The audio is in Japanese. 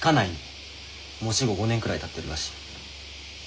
もう死後５年くらいたってるらしい。